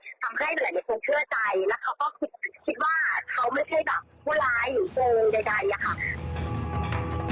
แล้วเขาก็คิดว่าเขาไม่ใช่พวกร้ายอยู่เต็มใดค่ะ